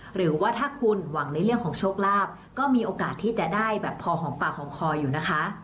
หรือว่าถ้าคุณหวังในเรื่องของโชคลาภก็มีโอกาสที่จะได้แบบพอหอมปากหอมคออยู่นะคะ